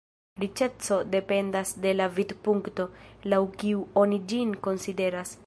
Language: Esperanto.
Riĉeco dependas de la vidpunkto, laŭ kiu oni ĝin konsideras.